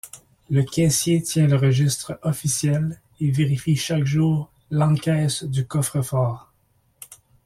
Le caissier tient le registre officiel et vérifie chaque jour l'encaisse du coffre fort.